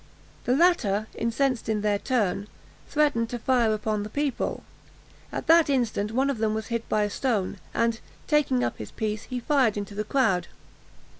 The latter, incensed in their turn, threatened to fire upon the people. At that instant one of them was hit by a stone, and, taking up his piece, he fired into the crowd.